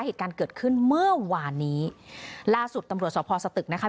เหตุการณ์เกิดขึ้นเมื่อวานนี้ล่าสุดตำรวจสพสตึกนะคะ